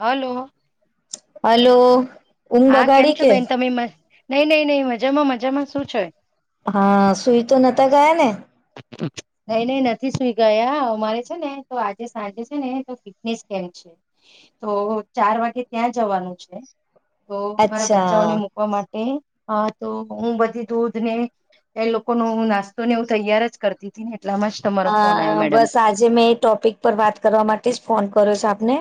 હાલો hello હા કેમ છો બેન તમે નહી નહી નહી મજામાં મજામાં શું છે હા સુઈ તો નતા ગયા ને નઈ નઈ નથી સુઈ ગયા અમારે છે ને તો આજે સાંજે છે ને તો ફિટનેસ કેમ છે. તો ચાર વાગે ત્યાં જવાનું છે. [inaudible] તો મારા બચ્ચાઓને અચ્છા મુકવા માટે હા તો હું બધી દૂધ ને એ લોકોનુ નાસ્તો ને હું તૈયાર જ કરતી હતી ને એટલામાં જ તમારો અ ફોન આવ્યો મેડમ બસ આજે મેં એ ટોપિક પર વાત કરવા માટે જ ફોન કર્યો છે આપને.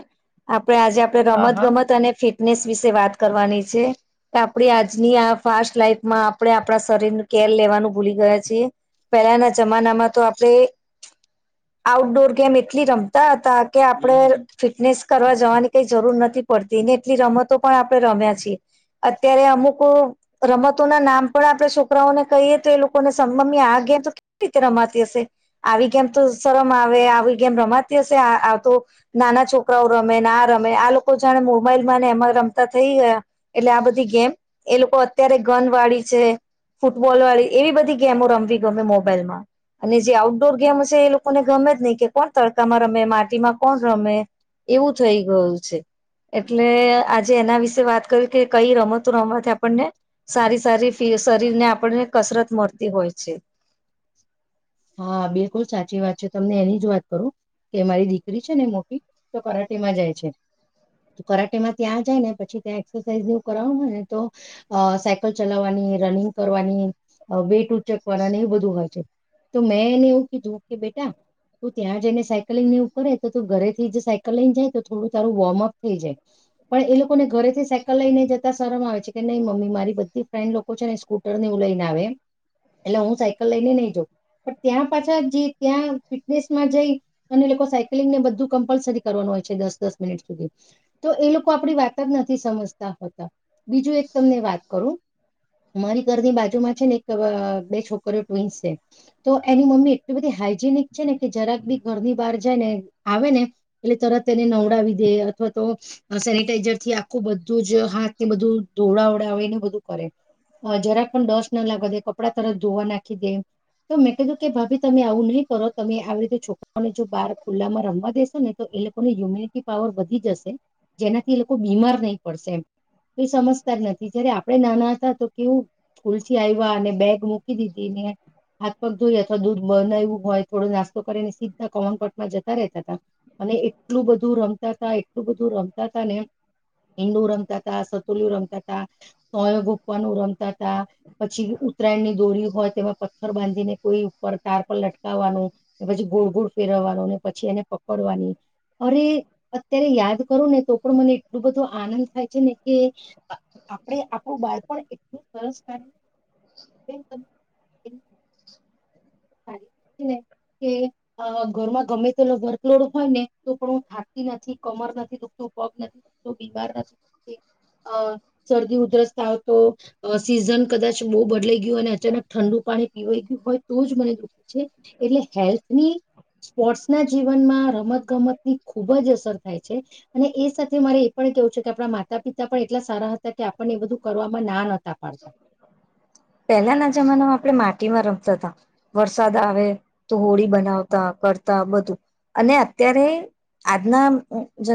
આપડે આજે આપડે હા રમત હા ગમત અને ફી ટનેસ વિશે વાત કરવાની છે કે આપણે આજની આ ફાસ્ટ લાઈફ માં આપણે આપણા શરીર કે ખેર લેવાનું ભૂલી ગયા છીએ પહેલાના જમાનામાં તો આપણે આઉટડોર ગેમ એટલી રમતા હતા કે આપણે ફિટનેસ કરવા જવાની કઈ જરૂર નથ થી પડતી ને એટલી રમતો પણ આપણે રમ્યા છીએ. અત્યારે અમુક રમતો ના નામ પણ આપણે છોકરાઓને કહીએ તો એ લોકોને સમ મમ્મી આ કે ત કેવી રમાતી હસેે. આવી ગેમ તો શરમ આવે આવી ગેમ રમાતી હશે આતો નાના છોકરાઓ રમે આ રમે આ લોકો જાણે મોબાઈલ ને એમાં રમતા થઈ ગયા એટલે આ બધી ગેમ એ લોકો અત્યારે ગન વાળી છે ફૂટબોલ વાળી એવી બધી ગેમો રમવી ગમે મોબાઈલમાં અને જે આઉટડોર ગેમ છે એ લોકોને ગમે જ નહી કે કોણ તડકામાં રમે માટીમાં કોણ રમે. એવું થઈ ગયું છે. એટલે આજે એના વિશે વાત કરી કે કઈ રમતો રમત આપણને સારી સારી ફી શરીર ને આપણને કસરત મળતી હોય છે. હા બિલકુલ સાચી વાત છે તમને એની જ વાત કરું. કે મારી દીકરી છે ને મોટી તો કરાટી માં જાય છે. કરાટેમાં ત્યાં જાય ને પછી ત્યાં એક્સરસાાઈઝ નવું કરનું હોય ને તો અ સાયકલ ચલાવવાની રનિંગ કરવાની વેઇટ ઉચેક કરવા એ બધું હોય છે. તો મેંને એવું કીધું કે બેટા તુ ત્યાં જઈને સાયકલિંગ ને એઉ કરે તો તું ઘરેથી જ સાયકલિંગ જાય તો થોડું તારું વોર્મઅપ થઈ જાય. પણ એ લોકોને ઘરેથી સાયકલ લઈને જતા શરમ આવે છે કે નઈ મમ્મી મારી બધી ફ્રેન્ડ લોકો છે ને સ્કૂટર ને એ ઉ લઈને આવે એટલે હું સાયકલ લઈને નહી જોઉ. પણ ત્યાં પાછા જ ત્યાં ફિટનેસ માં જઈ અને લોકો અને સાયક્લિંગ ને બધું કમ્પલસરી કરો. હોય છે દસ દસ મિનિટ સુધી તો એ લોકો આપણી વાત જ નથી સમજતા હોતા. બીજું એક તમને વાત કરું અમારી ઘરની બાજુમાં છે ને એક બે છોકરીઓ ટ્વિન્સ છે. તો એની મમ્મી એટલી બધી હાઈજેનિક છે ને કે જરાક બી ઘરની બહાર જાય ને આવે ને એટલે તરત તેને નવડાવી દે અથવા તો સેનિટાઈઝર થી આખું બધું જ હાથ ને બધું ધોળાવડા આવે એને બધું કરે જરાક પણ ડસ્ટ ના લાગવા દે કપડાં તરત ધોવા નાખી દે. તો મેં કીધું કે ભાભી તમે આવું નહીં કરો તમે આવી રીતે છોકરાઓને જો બહાર ખુલ્લામાં રમવા દેેશો ને તો એ લોકોની યુમ્યુનિટી પાવર વધી જશે જેનાથી એ લોકો બીમાર નહી પડશે એમ. ઈ સમજતસ નથી જયારે આપણેે નાના હતા તો કેવું સ્કૂલ થી આવ્યા અને બેગ મૂકી દીધી ને હાથ પગ ધોઈ અથવા દૂધ બનાવું હોય થોડો નાસ્તો કરીને સીધના કોમનપટમાં જતા રહેતા હતા. અને એટલું બધું રમતા હતા એટલું બધું રમતા હતા ને હીંડું રમતા હતા સતુલુ રમતા હતા સોયાગોપ્વાનું રમતા હતા પછી ઉત્તરાયણ ની દોરી હોય તેવા પથ્થર બાંધીને કોઈ ઉપર તાર પર લટકાવવાનું પછી ગોળ ગોળ ફેરવવાનું ને પછી એને પકડવાનું. [inaudible] અરે અત્યારે યાદ કરું નો તો પણ મને એટલોું બધો આનંદ થાય છે ને કે આપણે આપણું બાળપણ એટલું સરસ કર [unintelligible] [unintelligible] ને કે અ ઘરમાં ગમે તે વર્કલોડ હોય ને તો પણ હું થાકતી નથી કમર નથી દુખતું. પગ નથીતો બીમાર નથી અ શરદી ઉધરસતા હો તો સીઝન કદાચ બહુ બદલાઈ ગયું અને અચાનક ઠંડુ પાણી પીવાઈ ગયું હોય તો જ મને દુઃખી છે એટલે હેલ્થની સ્પોર્ટ્સના જીવનમાં રમતગમતની ખુબ જ અસર થાય છે અને એ સાથે મારે એ પણ કેવું છે કે આપણા માતા પિતા પણ એટલા સારા હતા કે આપણને બધું કરવામાં ના નહોતા પાડતા. [inaudible] પહેલાના જમાનામાં આપણે માટીમાં રમતા હતા, વરસાદ આવે તો હોળી બનાવતા. કરતા બધું, અને અત્યારે આજના જ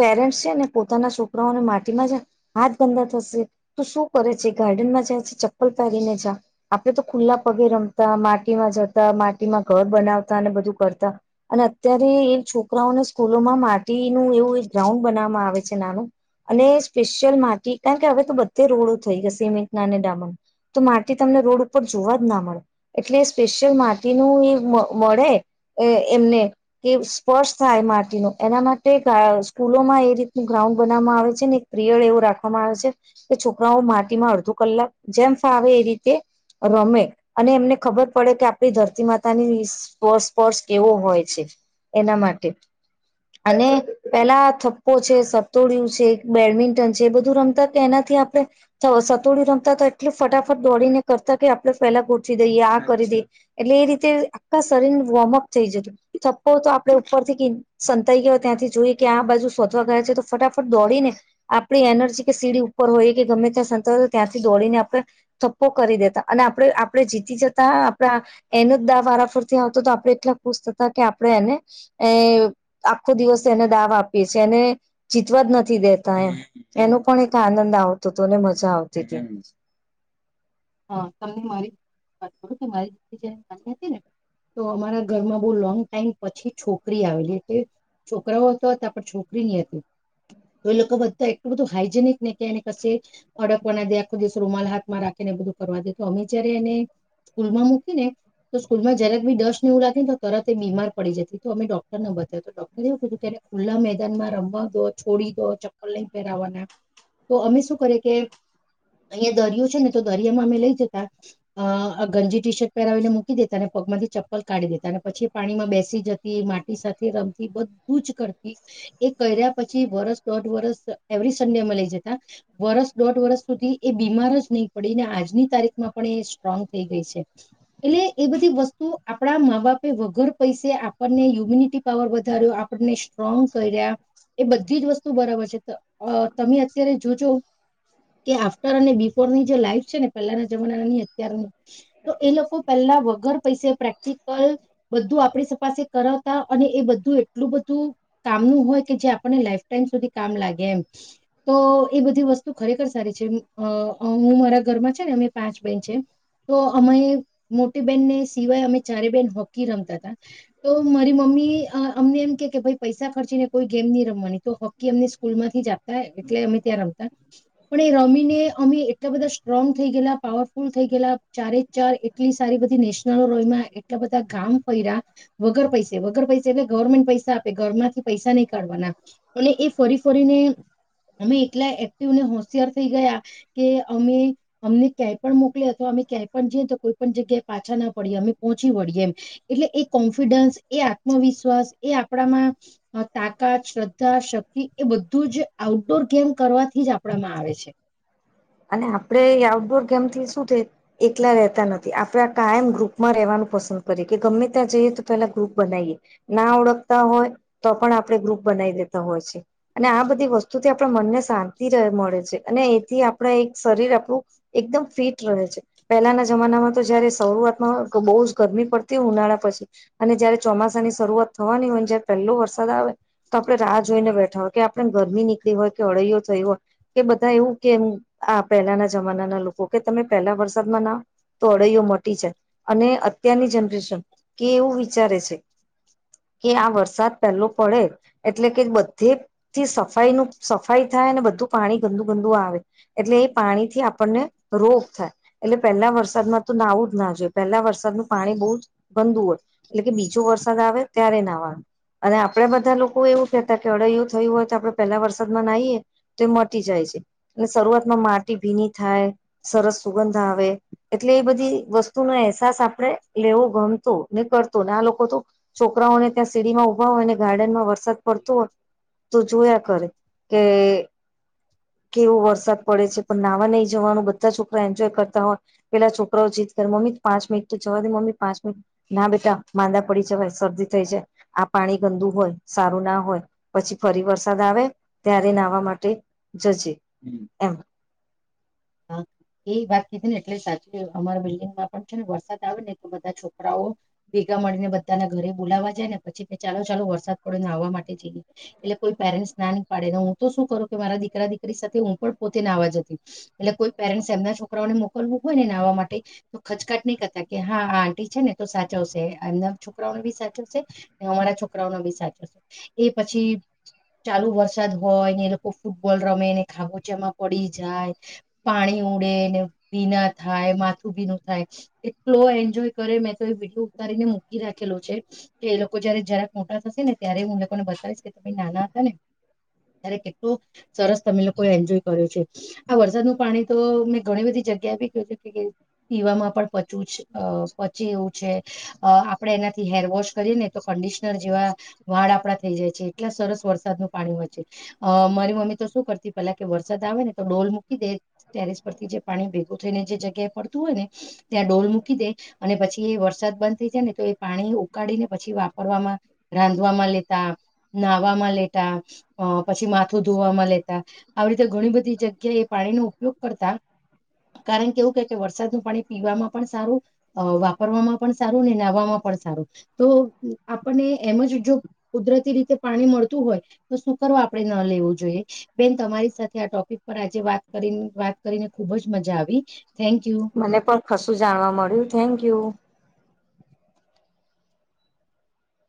પેરેન્ટ્સ છે ને પોતાના છોકરાઓને માટીમાં જ હાથ ગંદા થ તો શું કરે છે ગાર્ડનમાં જાય પહેરીને જા, આપડે તો ખુલ્લા પગે રમતા માટીમાં જતા માટીમાં ઘર બનાવતા અને બધું કરતા, અને અત્યારે એ છોકરાઓને સ્કૂલોમાં માટીનું એવું એક ગ્રાઉન્ડ બનાવામાં આવે. નાનું, અને સ્પેશિયલ માટી કારણ કે હવે તો બધે રોડો થઈ ગયા સિમેન્ટ ના અને ડામન. તો માટી તમને રોડ ઉપર જોવા જ ના મળે, એટલે સ્પેશિયલ માટીનું એ મળે. એમને કે સ્પર્શ થાય માટી ન એના માટે સ્કૂલોમાં રીતનું ગ્રાઉન્ડ બનાવામાં આવે છે ને એક પ્રિયળ એવું રાખવામાં આવે છે, કે છોકરાઓ માટીમાં અડધો કલાક જેમ ફાવે એ રીતે રમે, અને એમને ખબર પડે કે આપણી ધરતી માતાની સ્પર્શ કેવો હોય છે. એના માટે. અને પેલા થપ્પો છે સતોડિું છે બેડમિન્ટન છે એ બધું રમતા કે એનાથી આપડે, સતુડી રમતા તો એટલે ફટાફટ દોડીને કરતા કે આપણેે પેલા ગોઠવી દઈએ આ કરી દઈએ, એટલે એ રીતે આખા શરીર વોર્મઅપ થઈ જતું, થપ્પો તો આપે ઉપરથી સંતાઈ ગયો ત્યાંથી જોઈએ કે આ બાજુ સોવા ગ તો ફટાફટ દોડીને, આપણી એનર્જી કે સીડી ઉપર હોય કે ગમે ત્યાં સંત ત્યાંથી દોડીને થપ્પો કરી દેતા અને આપણે આપડે જીતી જતા આપણા, એનો જ દા વારાફરથી આવતો આપણે એટલા ખુશતા કે આપણે એને, આખો દિવસે એને દાવ આપીએ છીએ એને જીતવા જ નથી દેતા એ, એનો પણ એક આનંદ આવતો હતો ને મજા આવતી હતી. હા તમને મારી વાત કરું કે મારી હતી ને. તો અમારા ઘરમાં બહુ લોંગ ટાઈમ પછી છોકરી આવેલી એ. છોકરાઓ તો હતા પણ છોકરી ની હતી. તો એ લોકો બધા એટલું બધું હાઈજેનિક ને કે એને કે અને કસે, ઓડકવાના આખો દિવ રૂમાલ હાથમાં રાખીને બધું કરવા દે અમે જયારે એને, સ્કૂલમાં મૂકીને. તો સ્કૂલમાં જયક બી ડસ ને ઉ લાગતીને તરત એ બીમાર પડી જતી તો અમે ડોક્ટરને બતાયા તો ડોક્ટર એવું કધું કે ખુલ્લા મેદાનમાં રમવા દો છોડી દો ચપ્પલ નઈ પહેરાવાના. તો અમે શું કરીએ કે, અહીયાયા દરિયો છે ને તો દર મે લ જતા, ગંજી ટી શર્ટ પરાવીને મૂકી દેતા અને પગ થી ચપ્પલ કાઢ દેતા અને પછી પાણીમાં બેસી જતી માટી સાથે રમતી બધું જ કરતી, એ કર્યા પછી વરસ દોઢ વર્ષ એવરી સડેમાં લઈ જતા, વર્સ દોઢ વરસ સુધી એ બીમાર જ નહી પડીને આજની તારીખમાં પણ એ સ્ટ્રોંગ થઈ ગઈ છે, એટલે એ બધી વસ્તુ આપણા મા બાપ વગર પૈસે આપણને હ્યુમિનિટી પાવર વધાર્યો આપણને સ્ટ્રોંગ કર્યા એ બધી જ વસ્તુ બરાબર છે તમે અત્યારે જોજો કે આફ્ટર અને બિફોર ની જે લાઈફ છે ને પહેલાના જમાના ની અત્યારની, તો એ લોકો પેલા વગર પ પ્રેક્ટિકલ બધું આપણી સપાસ કરાવતા અને એ બધું એટલું બધું કામ હોય જે આપને લાઈફ ટમ સુધી કામ લાગે એમ, તો એ બધી વસ્તુ ખરેખર સારી છે. અ હું મારા ઘરમાં છે ને અ પાંચ બેન છે. તો અમેમે મોટી બેહેનને સિવાય અમે ચારે બેહેન હોકી રમતા હતા, તો મારી મમ્મી અમને એમ કે કે ભાઈ પૈસા ખર્ચીને કોઈ ગેમ નહી રમવાની તો હોકી અમને સ્કૂલ માંથી જ આપે એટલે અમે ત્યાં રમતા, પણ એ રમીને અમે એટલા બધા સ્ટ્રોંગ થઈ ગયલા પાવરફુલ થઈ ગયલા ચારે ચાર એટલી સારી બધી નેશનલો રોમાં એટલા બધા ગામ ફર્યા, વગર પૈસે વગર પૈસે એટલે ગવર્મેન્ટ પૈસા આપે ઘરમાંથી પૈસા નહી કાઢવાના. અને એ ફરી ફરીને અમે એટલા એક્ટિવને હોશિયાર થઈ ગયા, કે અમે અમને ક્યાંય પણ મોકલી અથવા અમે ક્યાય પણ જઈએ તો કોઈ પણ જગ્યાએ પાછા ના પડીએ અમે પહોંચી વળીએ. એટલે એ કોન્ફિડન્સ એ આત્મવિશ્વાસ એ આપણામાં, તાકાત ધા શક્તિ એ બધું જ આઉટડોર ગેમ કરવાથી જ આપણામાં આવે છે. અને આપડે આઉટડોર ગેમ થી શું થે એકલા રેતા નથી આપડે કાયમ ગ્રુપમાં રેવાનું પંસદ કરી કે ગમે ત્યાં જઈએ તો પેલા ગ્રુપ બનાવીએ ના ઓળખતા હોય તો પણ આપણે ગ્રુપ બનાય લેતા હોય છે, અને આ બધી વસ્તુથી આપણા મનને શાંતિ મળે છે, અને એથી આપણા એક શરીર આપણું એકદમ ફિટ રહે છે, પહેલાના જમાનામાં તો જયારે શરૂઆતમાં બો બો જ ગરમી પડતી હોય ઉનાળા પછી અને જયારે ચોમાસા ની શરૂઆત થવાની હોય અને જયારે પહેલો વરસાદ આવે તો આપણે રાહ જોઈને બેઠા હોય કે આપણે ગરમી નીકળી હોય કે અળૈયો થયું હોય કે બધા એવું કેમ આ પહેલાના જમાનાના લોકો કે તમે પહેલા વરસાદમાં ના તો અળઈઓ મટી છે, અને અત્યારની જનરેશન કે એવું વિચારે છે. કે આ વરસાદ પેલો પડે એટલે કે બધેથી સફાઈ નુ સફાઈ થાય ને બધું પાણી ગંદુ ગંદુ આવે એટલે એ પાણી થી આપણને રોપ થાય એટલે પહેલા વરસાદમાં તો નાવું જ ના જોઈએ પહેલા વરસાદ પાણી બોવ જ ગંદુ હોય એટલે કે બીજો વરસાદ આવે ત્યારે નાવાનું અને આપડે બધા લોકો એવું કહેતા કે અળૈું થયું હોય તો આપડે પેલા વરસાદમાં નાઈએ તો એ મટી જાય છે ને શરૂઆત માટી ભીની થાય સરસ સુગંધ આવે એટલે એ બધી વસ્તુનો અહેસાસ આપણે લેવો ગમતો ને કરતોને આ લોકો તો છોકરાઓને ત્યાં સીડીમાં ઉભા હોયને ગાર્ડન માં વરસ સાદ પડતો હોય તો જોયા કરે કે કેવો વરસાદ પડે છે, પણ નાહવા નહી જવાનું બધા છોકરા એન્જોય કરતા હોય પેલા છોકરાઓ જીત ક મમ્મી પાંચિનિટ તો જવા દે મમ્મી પાચિનિટ ના બેટા માંદા પડી જવાઈ શરદી થઈ જાય આ પા ણી ગંદુ હોય સારું ના હોય પછી ફરી વરસાદ આવે ત્યારે નાહવા માટે જજે એમ હા. એ વાત કીધ ને એટલે સાચી અમારા બિલ્ડિંગમાં પણ છે, ને વરસાદ આવે ને તો બધા છોકરાઓ ભે ગા મળીને બધાના ઘરે બોલાવવા જાય ને પછી ચાલો ચાલો વરસાદ પડ્યો નાવા મા [unintelligible] એટલે કોઈ પેરન્ટ્સ નાની પાડે ને હું તો શું કરું કે મારા દીકરા દીકરી સાથે હું પણ પોતે નાવા જતી એટલે કોઈ પેરેન્ટસ એમના છોકરાઓને મોકલવું હોય ને નાહવા માટે તો ખચકાટ નહી કરતા કે હા આ આંટી છે ને તો સાચવશે છે, એમના છોકરાઓનો બી સાચવશે છે, અમારા છોકરાઓ ન બી સાચવશે છે, એ પછી ચાલુ વરસાદ હોય ને એ લોકો ફૂટબોલ રમે ને ખાબોચામાં પડી જાય પાણી ઉડે ને ભીના થાય માથું ભીનું થાય એટલો એન્જોય કરે મેં તો વિડીયો ઉતારીને મૂકી રાખેલો છે, કે એ લોકો જયારે જરાક મોટા થશે ને ત્યારે હું લોકોને બતાવીશ કે તમે નાના હતા ને ત્યારે કેટલો સરસ તમે લોકોએ એન્જોય કર્યો છે આ વરસાદનુ પાણી તો મેં ઘણી બધી જગ્યાએ ભી [unintelligible] પીવામાં પણ પચવું પચી એવું છે. અ આપડે એનાથી હેરવોશ કરીએને તો કંડિશનર જેવા વાળ આપ થઈ જાય છે, એટલા સરસ વરસાદ નું પાણી હોય છે, અ મારી મમ્મી તો શું કરતી પેલા કે વરસાદ આવે ને તો ડોલ મૂકી દે ટેરેસ પરથી જે પાણી ભે ગુ થઈને જે જગ્યાએ પડતું હોય ને ત્યાં ડોલ મૂકી દે અને પછી એ વરસાદ બંધ થઈ જાય ને તો એ પાણી ઉકાળને પછી વાપરવામાં રાંધવામાં લેતા નાહવામાં લેતા અ પછી માથું ધોવામાં લેતા આવી રીતે ઘણી બધી જગ્યા એ પાણીનો ઉપયોગ કરતા કારણ કે એવું કે કે વરસાદનું પાણી પીવામાં પણ સારું અ વાપરવામાં પણ સારું ને નાહવામાં પણ પણ સારુ તો આપને એમ જ જો કુદરતી રીતે પાણી મળતું હોય તો સુ [unintelligible] આપે ન લેવું જોઈએ બેન તમારી સાથે આ ટોપિક પર આજે વાત કરી વાત કરીને ખુબ જ મજા આવી થેન્ક યુ મને પણ કશું જાણવા મળ્યું થેન્કયુ.